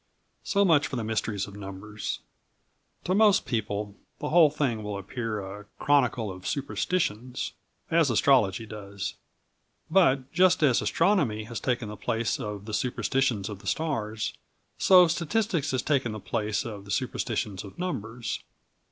So much for the mysteries of numbers. To most people the whole thing will appear a chronicle of superstitions, as astrology does. But, just as astronomy has taken the place of the superstitions of the stars, so statistics has taken the place of the superstitions of numbers.